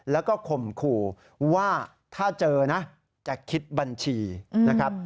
แล้วก็ข่มขู่ว่าถ้าเจอนะจะคิดบัญชีนะครับ